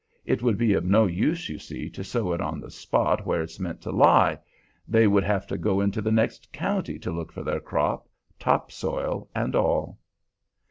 It would be of no use, you see, to sow it on the spot where it's meant to lie; they would have to go into the next county to look for their crop, top soil and all."